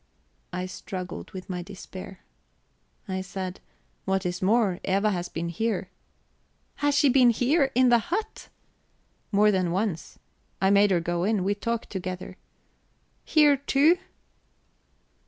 I struggled with my despair; I said: "What is more, Eva has been here." "Has she been here? In the hut?" "More than once. I made her go in. We talked together." "Here too?"